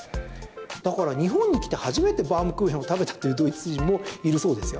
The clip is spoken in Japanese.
だから日本に来て初めてバウムクーヘンを食べてというドイツ人もいるそうですよ。